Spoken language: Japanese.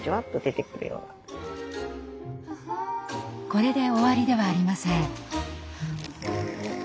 これで終わりではありません。